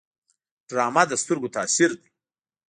ډرامه د سترګو تاثیر دی